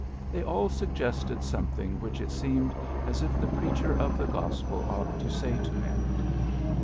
They all suggested some thing which it seemed as if the preacher of the gospel ought to say to men.